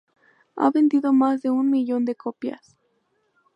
Ha vendido más de un millón de copias.